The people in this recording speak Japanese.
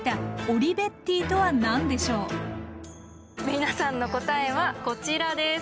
皆さんの答えはこちらです！